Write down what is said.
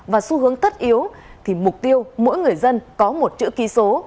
và xu hướng thất yếu thì mục tiêu mỗi người dân có một chữ kỳ số